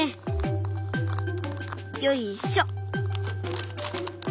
よいしょ！